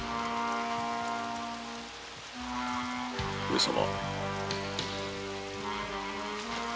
上様。